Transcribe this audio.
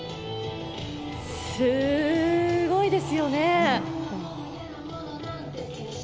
すーごいですよね。